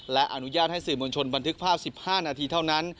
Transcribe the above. และอนุญาตให้สื่อมวลชนบันทึกภาพ๑๕นาทีเท่านั้น